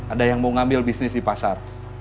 ada yang mau ngambil bisnis di pasar